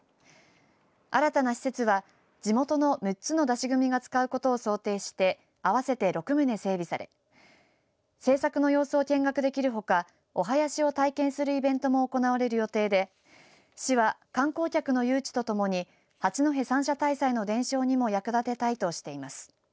新たな施設は地元の６つの山車組が使うことを想定して合わせて６棟整備され制作の様子を見学できるほかお囃子を体験するイベントも行われる予定で市は観光客の誘致とともに八戸三社大祭の伝承にも役立てたいとしています。